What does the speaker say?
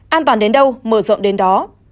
an toàn đến đâu mở rộng đến đó